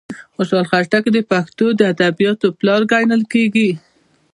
خوشال خټک د پښتو ادبیاتوپلار کڼل کیږي.